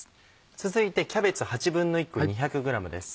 続いてキャベツ１／８個２００ｇです。